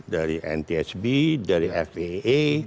dari ntsb dari faa